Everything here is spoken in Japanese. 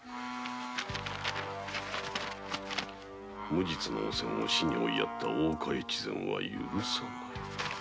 「無実のおせんを死に追いやった大岡越前は許せない」。